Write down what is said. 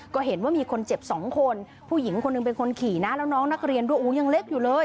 ก็เห็นว่ามีคนเจ็บสองคนผู้หญิงคนหนึ่งเป็นคนขี่นะแล้วน้องนักเรียนด้วยโอ้ยังเล็กอยู่เลย